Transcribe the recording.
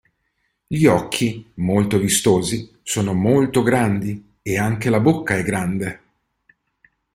Gli occhi, molto vistosi, sono molto grandi e anche la bocca è grande.